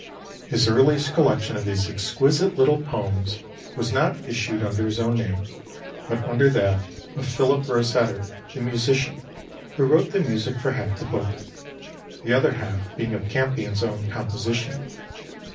His earliest collection of these exquisite little poems was not issued under his own name, but under that of Philip Rosetter the musician, who wrote the music for half the book; the other half being of Campion's own composition.